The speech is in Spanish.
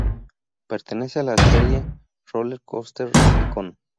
Pertenece a la serie "RollerCoaster Tycoon".